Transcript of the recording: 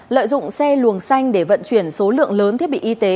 lợi dụng xe luồng xanh để vận chuyển số lượng lớn thiết bị y tế